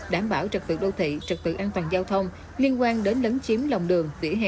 đảm bảo trật tự đô thị trực tự an toàn giao thông liên quan đến lấn chiếm lòng đường vỉa hè